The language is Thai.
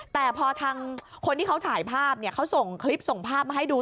แต่พอทางคนที่เขาถ่ายภาพเนี่ยเขาส่งคลิปส่งภาพมาให้ดู